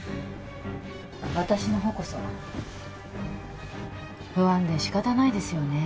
私の方こそ不安で仕方ないですよね？